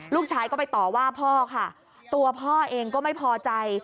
ลูกชายก็ไปต่อว่าพ่อค่ะตัวพ่อเองก็ไม่พอใจ